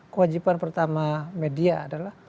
kewajiban pertama media adalah